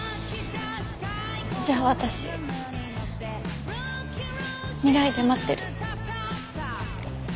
じゃあ私未来で待ってる。